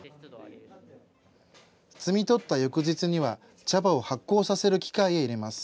摘み取った翌日には、茶葉を発酵させる機械へ入れます。